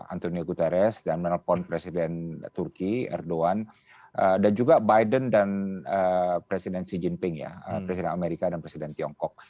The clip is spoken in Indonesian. antonio guterres dan menelpon presiden turki erdogan dan juga biden dan presiden xi jinping ya presiden amerika dan presiden tiongkok